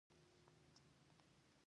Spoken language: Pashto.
د سمنګان په حضرت سلطان کې کوم کان دی؟